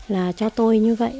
là cho tôi như vậy